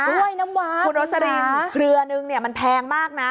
กล้วยน้ำว้าคุณโรสลินเรือนึงเนี่ยมันแพงมากนะ